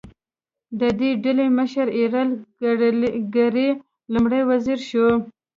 د دې ډلې مشر ایرل ګرې لومړی وزیر شو.